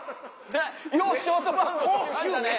ようショートバウンド捕りましたね